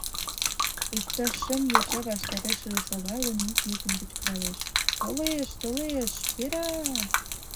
Иктаж шым йоча, ваштарешыже шогалын, ик йӱкын кычкыралеш: «Толеш, толеш — пера!»